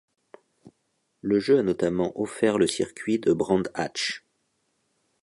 Le jeu a notamment offert le circuit de Brand Hatch.